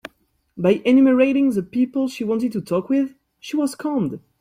By enumerating the people she wanted to talk with, she was calmed.